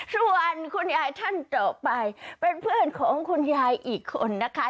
ส่วนคุณยายท่านต่อไปเป็นเพื่อนของคุณยายอีกคนนะคะ